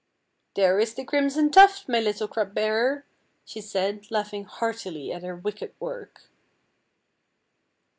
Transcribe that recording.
"There is the crimson tuft, my little cup bearer," she said, laughing heartily at her wicked work.